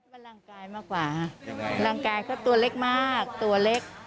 มันร่างกายมากกว่าร่างกายก็ตัวเล็กมากตัวเล็ก